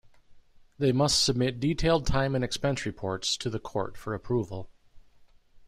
They must submit detailed time and expense reports to the court for approval.